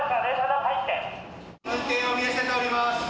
運転を見合わせております。